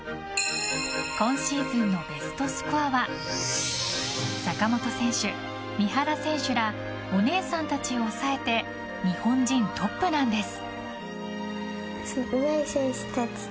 今シーズンのベストスコアは坂本選手、三原選手らお姉さんたちを抑えて日本人トップなんです。